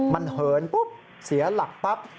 มันเหินเสียหลักปั๊บ